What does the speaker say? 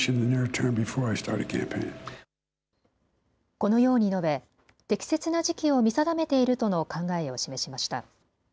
このように述べ、適切な時期を見定めているとの考えを示しました。